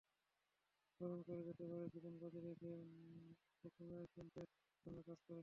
স্মরণ করা যেতে পারে, জীবন বাজি রেখে ফুকুশিমার প্ল্যান্টের কর্মীরা কাজ করেছিলেন।